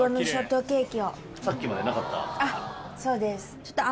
あっそうです。